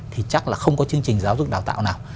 thì chắc là không có chương trình giáo dục đào tạo nào